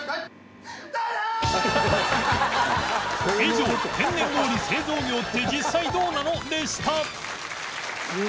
祕幣天然氷製造業って実際どうなの？でした生瀬）